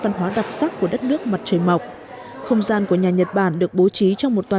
văn hóa đặc sắc của đất nước mặt trời mọc không gian của nhà nhật bản được bố trí trong một tòa